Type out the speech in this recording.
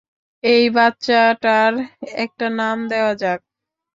এই বাচ্চাটার একটা নাম দেওয়া যাক।